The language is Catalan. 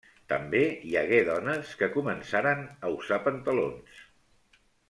També hi hagué dones que començaren a usar pantalons.